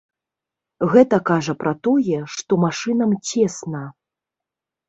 Гэта кажа пра тое, што машынам цесна.